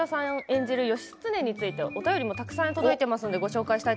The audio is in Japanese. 演じる義経についてお便りもたくさん届いています。